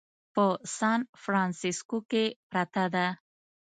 په سان فرانسیسکو کې پرته ده.